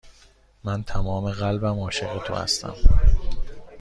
من تمام قلبم عاشق تو هستم.